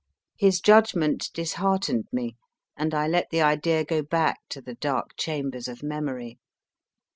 His judgment disheartened me, and I let the idea go back to the dark chambers of memory.